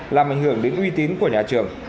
làm ảnh hưởng đến uy tín của nhà trường